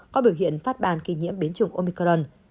có biểu hiện phát bàn kỳ nhiễm biến chủng omicron